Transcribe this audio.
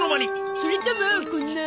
それともこんな？